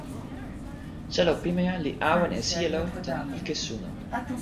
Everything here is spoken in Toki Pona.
selo pimeja li awen e sijelo tan ike suno.